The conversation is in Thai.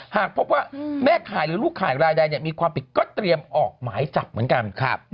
หากพบว่าแม่ข่ายหรือลูกข่ายรายใดมีความผิดก็เตรียมออกหมายจับเหมือนกัน